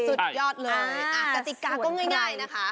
สุดยอดเลยกติกาก็ง่ายนะคะ